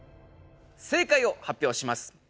正解を発表します。